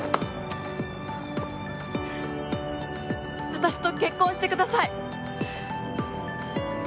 私と結婚してください。